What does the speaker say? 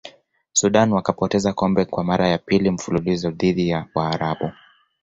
sudan wakapoteza kombe kwa mara ya pili mfululizo dhidi ya waarabu